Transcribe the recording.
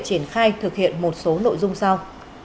triển khai thực hiện một số nội dung sau